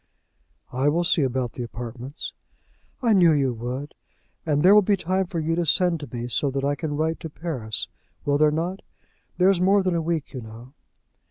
"I will see about the apartments." "I knew you would. And there will be time for you to send to me, so that I can write to Paris; will there not? There is more than a week, you know."